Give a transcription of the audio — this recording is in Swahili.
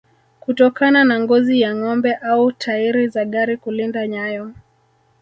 kutokana na ngozi ya ngombe au tairi za gari kulinda nyayo